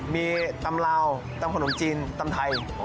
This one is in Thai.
มีตำราวตำขนมจีนตำไทย